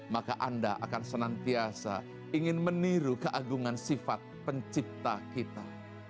maka anda akan senantiasa ingin meniru keagungan sifat pencipta kita